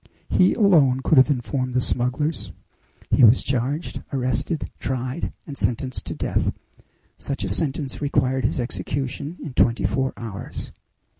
He alone could have informed the smugglers. He was charged, arrested, tried, and sentenced to death. Such a sentence required his execution in twenty four hours."